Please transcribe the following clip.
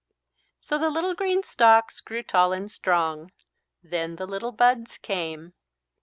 So the little green stalks grew tall and strong. Then the little buds came.